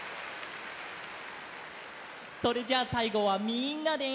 それじゃあさいごはみんなで。